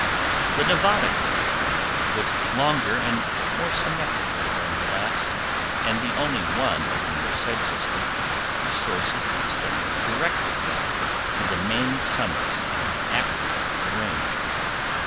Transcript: The Nevada Glacier was longer and more symmetrical than the last, and the only one of the Merced system whose sources extended directly back to the main summits on the axis of the Range.